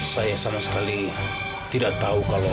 saya sama sekali tidak tahu kalau